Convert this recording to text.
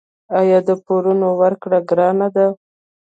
آیا د پورونو ورکړه ګرانه ده؟